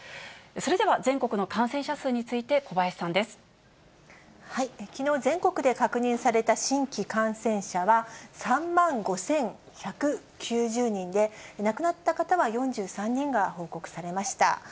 それでは、全国の感染者数についきのう、全国で確認された新規感染者は、３万５１９０人で、亡くなった方は４３人が報告されました。